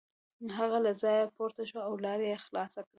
هغه له ځایه پورته شو او لار یې خلاصه کړه.